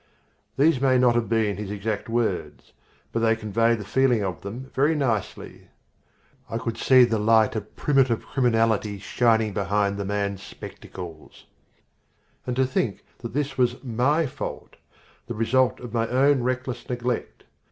These may not have been his exact words. But they convey the feeling of them very nicely. I could see the light of primitive criminality shining behind the man's spectacles. And to think that this was my fault the result of my own reckless neglect.